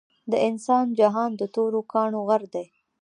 د انسان جهان د تورو کانړو غر دے